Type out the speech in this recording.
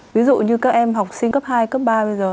ví dụ như các em học sinh cấp hai cấp ba bây giờ